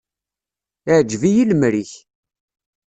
Iɛǧeb-iyi lemri-k.